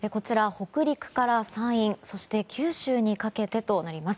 北陸から山陰そして九州にかけてとなります。